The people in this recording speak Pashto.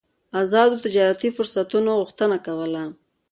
ازادو تجارتي فرصتونو غوښتنه کوله.